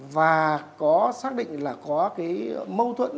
và có xác định là có mâu thuẫn